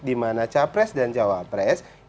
di mana capres dan cawapres itu mengeksplorasi